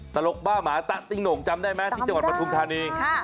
ตลกป้ะหมาตะติ๊งหนกจำได้มั้ยที่จังหวัดบทุมธานี